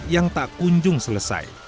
yang tak kunjung selesai